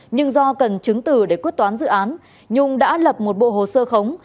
nhưng do cần chứng từ để quyết toán dự án nhung đã lập một bộ hồ sơ khống